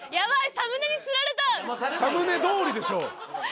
サムネどおりでしょ。